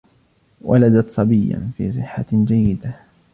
ولدَت صبيا في صحة جيدة.